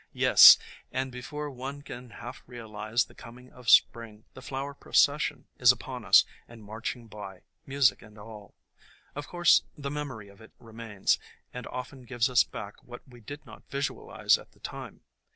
Yes, and before one can half realize the coming of IO THE COMING OF SPRING Spring, the flower procession is upon us and march ing by, music and all. Of course the memory of it remains, and often gives us back what we did not visualize at the time.